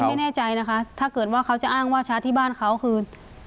ไม่แน่ใจนะคะถ้าเกิดว่าเขาจะอ้างว่าชาร์จที่บ้านเขาคือ